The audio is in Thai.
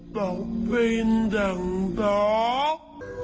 บ๊อบเป็นยังดอก